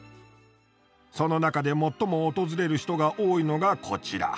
その中で最も訪れる人が多いのがこちら。